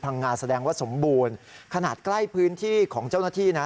งาแสดงว่าสมบูรณ์ขนาดใกล้พื้นที่ของเจ้าหน้าที่นะ